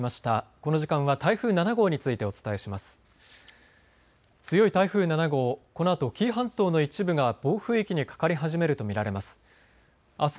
この時間は台風７号についてお伝えします。